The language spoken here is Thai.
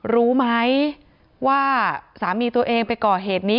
รู้ไหมว่าสามีตัวเองไปก่อเหตุนี้